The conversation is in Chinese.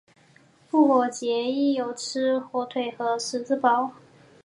复活节亦有吃火腿和十字包。